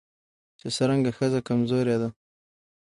چې څرنګه ښځه کمزورې ده